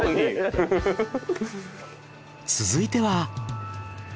続いては。